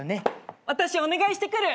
私お願いしてくる！